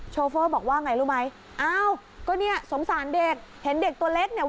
โฟบอกว่าไงรู้ไหมอ้าวก็เนี่ยสงสารเด็กเห็นเด็กตัวเล็กเนี่ย